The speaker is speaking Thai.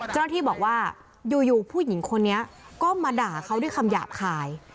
เจ้าหน้าที่บอกว่าอยู่ผู้หญิงคนนี้ก็มาด่าเขาด้วยคำหยาบคาย